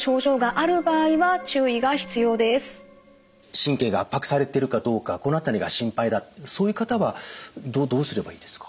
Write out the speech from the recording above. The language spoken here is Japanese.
神経が圧迫されてるかどうかこの辺りが心配だそういう方はどうすればいいですか？